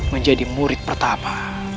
menjadi murid pertama